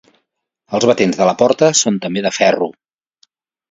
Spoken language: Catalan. Els batents de la porta són també de ferro.